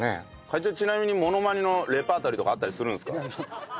貝長ちなみにモノマネのレパートリーとかあったりするんですか？